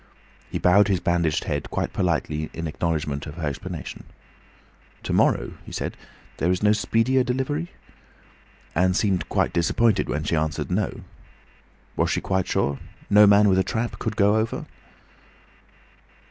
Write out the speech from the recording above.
He bowed his bandaged head quite politely in acknowledgment of her explanation. "To morrow?" he said. "There is no speedier delivery?" and seemed quite disappointed when she answered, "No." Was she quite sure? No man with a trap who would go over?